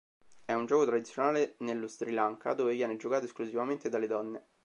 È un gioco tradizionale nello Sri Lanka, dove viene giocato esclusivamente dalle donne.